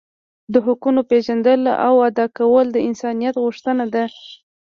د حقونو پیژندل او ادا کول د انسانیت غوښتنه ده.